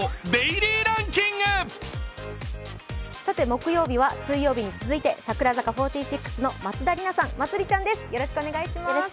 木曜日は水曜日に続いて櫻坂４６の松田里奈さん、まつりちゃんです。